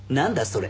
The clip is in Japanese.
それ。